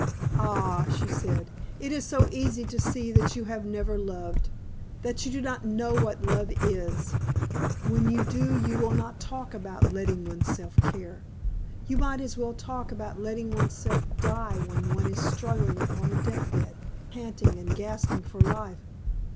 "Ah," she said, "it is so easy to see that you have never loved that you do not know what love is. When you do you will not talk about letting one's self care. You might as well talk about letting one's self die when one is struggling upon a death bed panting and gasping for life.